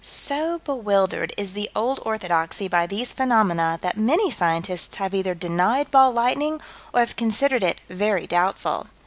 So bewildered is the old orthodoxy by these phenomena that many scientists have either denied "ball lightning" or have considered it very doubtful.